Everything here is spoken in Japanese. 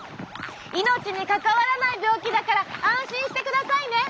命に関わらない病気だから安心してくださいね！